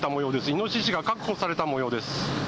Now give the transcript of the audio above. イノシシが確保されたもようです。